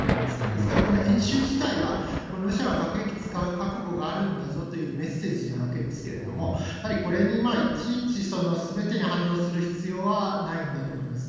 ですから、この演習自体は、ロシアは核兵器使う覚悟があるんだぞというメッセージなわけですけれども、やはりこれにいちいち、すべてに反応する必要はないんだと思います。